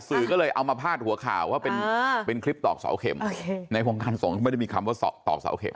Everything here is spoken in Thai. สื่อก็เลยเอามาพาดหัวข่าวว่าเป็นคลิปตอกเสาเข็มในวงการส่งไม่ได้มีคำว่าตอกเสาเข็ม